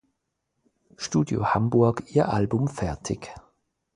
Studio Hamburg ihr Album fertig.